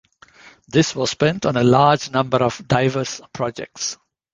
This was spent on a large number of diverse projects.